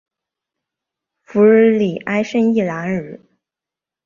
弗尔里埃圣伊莱尔。